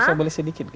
saya boleh sedikit